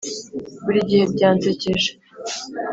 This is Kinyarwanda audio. buri gihe byansekeje.